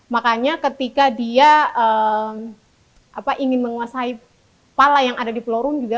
makanya ketika dia ingin menguasai pala yang ada di pelorun juga